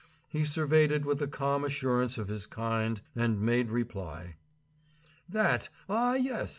He surveyed it with the calm assurance of his kind, and made reply: "That, ah, yes!